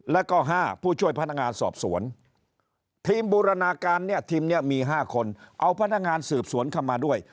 แล้วก็๕ผู้ช่วยพนักงานสอบสวนทีมบูรณาการเนี่ยทีมนี้มี๕คนเอาพนักงานสืบสวนเข้ามาด้วย